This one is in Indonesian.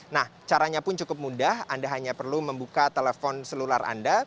nah caranya pun cukup mudah anda hanya perlu membuka telepon selular anda